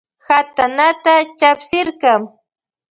Katanata chapsirka.